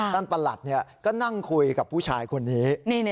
ต้านประหลัดเนี่ยก็นั่งคุยกับผู้ชายคนนี้